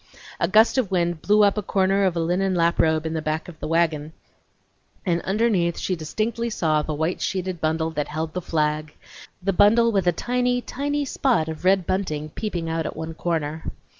A gust of wind blew up a corner of a linen lap robe in the back of the wagon, and underneath it she distinctly saw the white sheeted bundle that held the flag; the bundle with a tiny, tiny spot of red bunting peeping out at one corner.